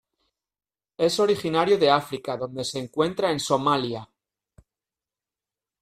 Es originario de África donde se encuentra en Somalia.